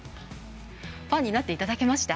ファンになっていただけました？